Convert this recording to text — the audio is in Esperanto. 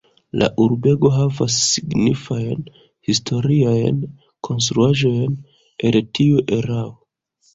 La urbego havas signifajn historiajn konstruaĵojn el tiu erao.